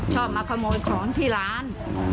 ชอบมาขโมยของที่ร้าน